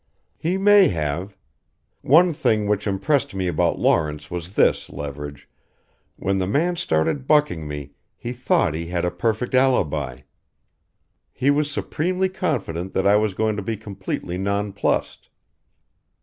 "He may have. One thing which impressed me about Lawrence was this, Leverage when the man started bucking me he thought he had a perfect alibi. He was supremely confident that I was going to be completely nonplussed.